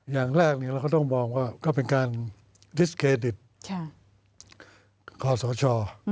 อย่างแรกเราก็ต้องมองว่าก็เป็นการดิสเครดิตคอสช